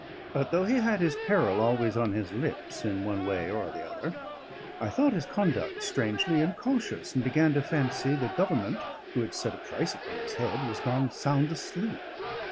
But though he had his peril always on his lips in the one way or the other, I thought his conduct strangely incautious, and began to fancy the Government who had set a price upon his head was gone sound asleep.